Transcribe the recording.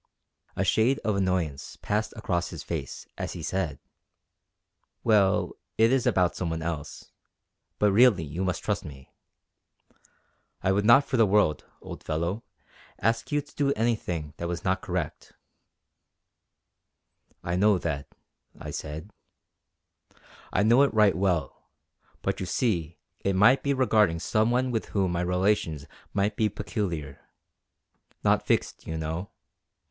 A shade of annoyance passed across his face as he said: "Well, it is about some one else; but really you must trust me. I would not for the world, old fellow, ask you to do anything that was not correct." "I know that" I said "I know it right well; but you see it might be regarding some one with whom my relations might be peculiar not fixed you know.